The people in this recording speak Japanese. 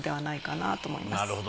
なるほど。